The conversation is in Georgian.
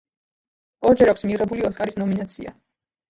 ორჯერ აქვს მიღებული ოსკარის ნომინაცია.